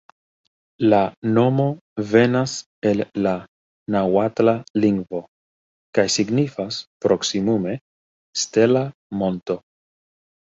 La nomo venas el la naŭatla lingvo kaj signifas proksimume «stela monto».